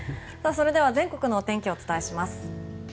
それでは全国のお天気をお伝えします。